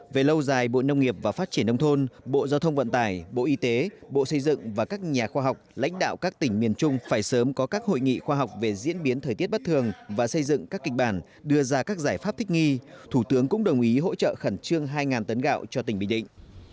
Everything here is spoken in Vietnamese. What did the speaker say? về lâu dài bộ nông nghiệp và phát triển nông thôn bộ giao thông vận tải bộ y tế bộ xây dựng và các nhà khoa học lãnh đạo các tỉnh miền trung phải sớm có các hội nghị khoa học về diễn biến thời tiết bất thường và xây dựng các kịch bản đưa ra các giải pháp thích nghi thủ tướng cũng đồng ý hỗ trợ khẩn trương hai tấn gạo cho tỉnh bình định